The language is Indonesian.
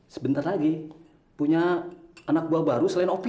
sebentar lagi punya anak buah baru selain opi